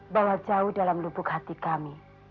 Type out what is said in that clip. bawa jauh dalam lubuk hati kami